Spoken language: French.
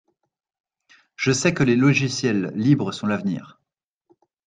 Je sais que les logiciels libres sont l'avenir.